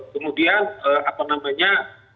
kemudian apa namanya